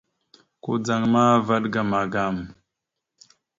Kudzaŋ ma, vaɗ ga magam.